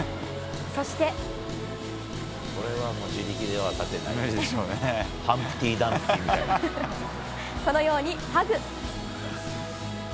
そして、このようにハグ。